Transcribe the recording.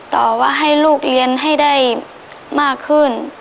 ต่อว่าให้ลูกเรียนให้ได้มากขึ้น